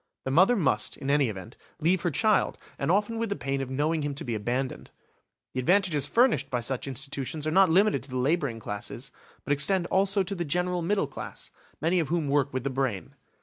The mother must, in any event, leave her child, and often with the pain of knowing him to be abandoned. The advantages furnished by such institutions are not limited to the labouring classes, but extend also to the general middle class, many of whom work with the brain.